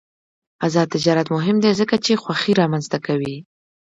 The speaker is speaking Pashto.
آزاد تجارت مهم دی ځکه چې خوښي رامنځته کوي.